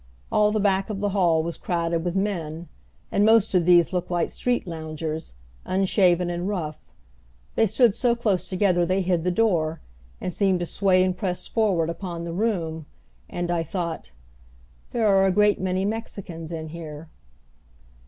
All the back of the hall was crowded with men, and most of these looked like street loungers, unshaven and rough. They stood so close together they hid the door, and seemed to sway and press forward upon the room; and I thought, "There are a great many Mexicans in here."